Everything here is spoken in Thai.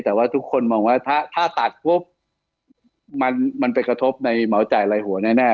แต่ว่าทุกคนมองว่าถ้าตัดปุ๊บมันไปกระทบในเหมาจ่ายลายหัวแน่